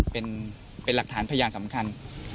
เป็นหลักฐานพยานสำคัญ